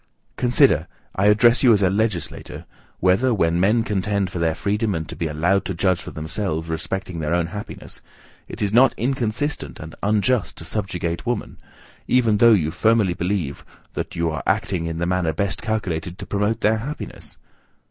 Consider, I address you as a legislator, whether, when men contend for their freedom, and to be allowed to judge for themselves, respecting their own happiness, it be not inconsistent and unjust to subjugate women, even though you firmly believe that you are acting in the manner best calculated to promote their happiness?